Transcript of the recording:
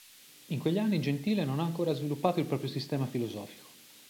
In quegli anni Gentile non ha ancora sviluppato il proprio sistema filosofico.